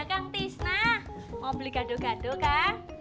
ada kan tisna mau beli gaduh gaduh kan